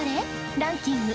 ランキング！